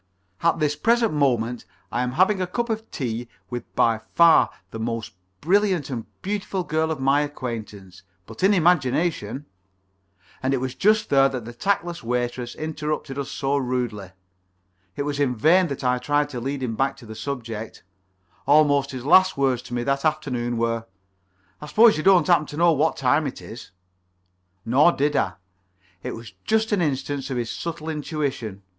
At this present moment I am having a cup of tea with by far the most brilliant and beautiful girl of my acquaintance, but in imagination " And it was just there that the tactless waitress interrupted us so rudely. It was in vain that I tried to lead him back to the subject. Almost his last words to me that afternoon were: "I suppose you don't happen to know what the time is?" Nor did I. It was just an instance of his subtle intuition.